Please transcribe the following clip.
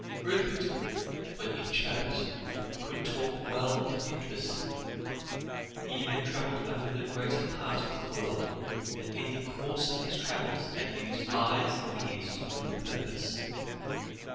Rupert, when he chose, could talk well and interestingly; he had travelled over the greater part of the world, and in the course of his travels had used eyes and ears to good purpose.